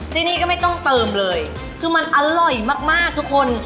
ที่นี่ก็ไม่ต้องเติมเลยคือมันอร่อยมากมากทุกคน